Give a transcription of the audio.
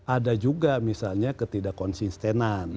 ada juga misalnya ketidakonsistenan